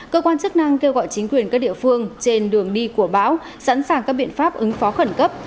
cơ quan chức năng kêu gọi chính quyền các địa phương trên đường đi của bão sẵn sàng các biện pháp ứng phó khẩn cấp